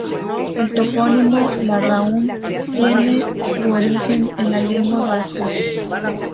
El topónimo Larráun tiene su origen en la lengua vasca.